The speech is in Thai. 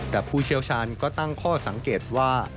แต่ผู้เชี่ยวชาญก็ตั้งข้อสังเกตว่า